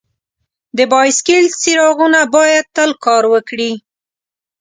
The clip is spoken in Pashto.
د بایسکل څراغونه باید تل کار وکړي.